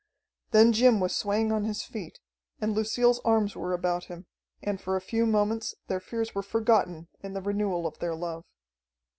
Then Jim was swaying on his feet, and Lucille's arms were about him, and for a few moments their fears were forgotten in the renewal of their love.